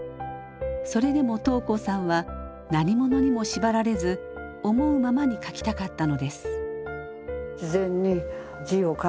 それでも桃紅さんは何者にも縛られず思うままに書きたかったのです。